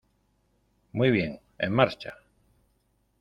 Muy bien, en marcha.